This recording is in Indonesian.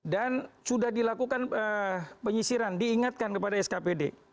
sudah dilakukan penyisiran diingatkan kepada skpd